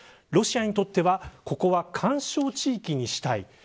ロシアにとってはここは緩衝地域にしたい。